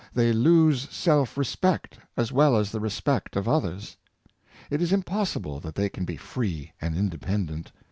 They lose self respect as well as the respect of others. It is impossible that they can be free and independent.